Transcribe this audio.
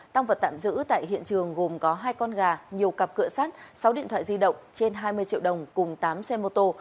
tăng vật tạm giữ tại hiện trường gồm có hai con gà nhiều cặp cửa sát sáu điện thoại di động trên hai mươi triệu đồng cùng tám xe mô tô